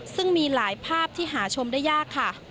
ซึ่งมีหลายภาพที่หาชมได้ยากค่ะ